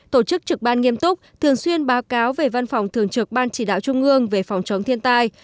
tổ chức trực ban nghiêm túc thường xuyên báo cáo về văn phòng thường trực ban chỉ đạo trung ương về phòng chống thiên tai